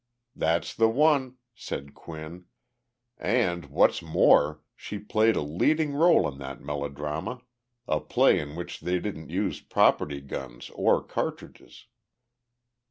"That's the one," said Quinn, "and, what's more, she played a leading role in that melodrama, a play in which they didn't use property guns or cartridges."